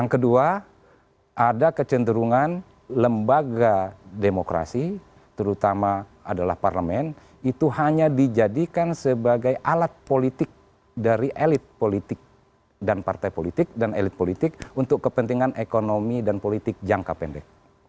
yang kedua ada kecenderungan lembaga demokrasi terutama adalah parlemen itu hanya dijadikan sebagai alat politik dari elit politik dan partai politik dan elit politik untuk kepentingan ekonomi dan politik jangka pendek